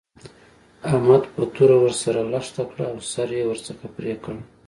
احمد په توره ور سره لښته کړه او سر يې ورڅخه پرې کړ.